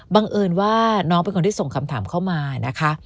บังเอิญว่าน้องเป็นคนที่ส่งคำถามเข้ามานะคะ